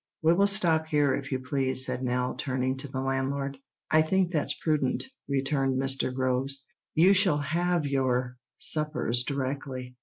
"We will stop here, if you please," said Nell, turning to the landlord. "I think that's prudent," returned Mr. Groves. "You shall have your suppers directly."